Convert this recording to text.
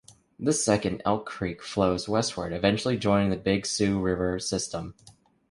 This second Elk Creek flows westward eventually joining the Big Sioux River system.